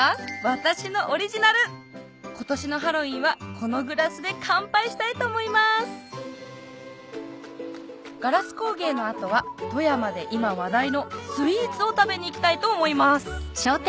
私のオリジナル今年のハロウィンはこのグラスで乾杯したいと思いますガラス工芸の後は富山で今話題のスイーツを食べに行きたいと思います